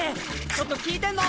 ちょっと聞いてんの！？